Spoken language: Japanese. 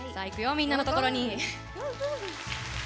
みんなのところに。